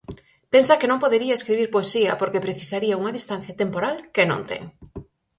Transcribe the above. Pensa que non podería escribir poesía porque precisaría unha distancia temporal que non ten.